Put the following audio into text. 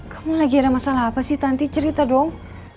kamu lagi ada masalah apa sih tanti cerita dong